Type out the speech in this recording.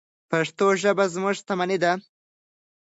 پښتو ژبه زموږ شتمني ده.